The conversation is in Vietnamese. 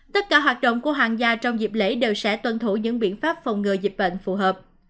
tất cả hoạt động của hoàng gia trong dịp lễ đều sẽ tuân thủ những biện pháp phòng ngừa dịch bệnh